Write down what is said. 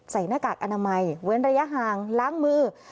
หน้ากากอนามัยเว้นระยะห่างล้างมือ